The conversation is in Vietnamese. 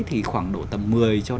thì khoảng độ tầm một mươi hai mươi